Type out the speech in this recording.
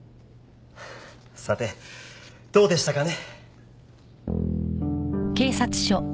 さてどうでしたかね。